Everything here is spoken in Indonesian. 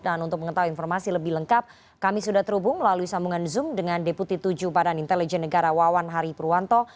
dan untuk mengetahui informasi lebih lengkap kami sudah terhubung melalui sambungan zoom dengan deputi tujuh badan intelijen negara wawan hari purwanto